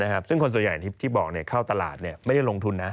นะครับซึ่งคนส่วนใหญ่ที่บอกเนี่ยเข้าตลาดเนี่ยไม่ได้ลงทุนนะ